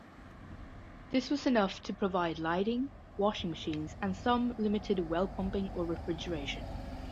This was enough to provide lighting, washing machines and some limited well-pumping or refrigeration.